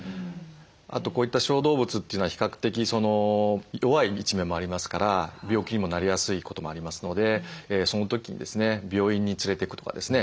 あとこういった小動物というのは比較的弱い一面もありますから病気にもなりやすいこともありますのでその時にですね病院に連れていくとかですね